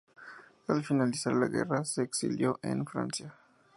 Al finalizar la guerra se exilió en Francia.